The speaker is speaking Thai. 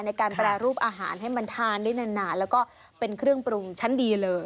ในการแปรรูปอาหารให้มันทานได้นานแล้วก็เป็นเครื่องปรุงชั้นดีเลย